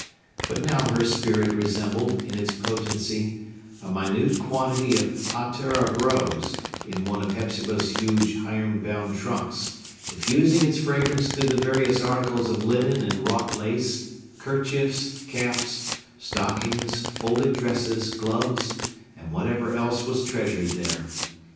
But now her spirit resembled, in its potency, a minute quantity of ottar of rose in one of Hepzibah's huge, iron bound trunks, diffusing its fragrance through the various articles of linen and wrought lace, kerchiefs, caps, stockings, folded dresses, gloves, and whatever else was treasured there.